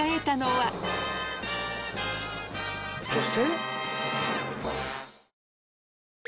女性？